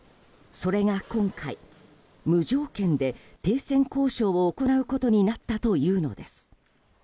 それが今回、無条件で停戦交渉を行うことになったというのです。